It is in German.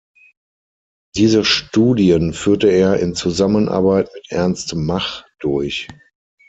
Diese Studien führte er in Zusammenarbeit mit Ernst Mach durch.